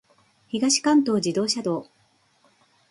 東関東自動車道